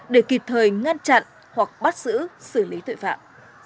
để kịp thời ngăn chặn hoặc bắt giữ xử lý tội phạm